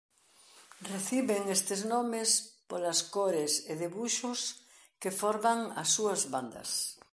Reciben estes nomes polas cores e debuxos que forman as súas bandas.